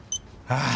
ああ！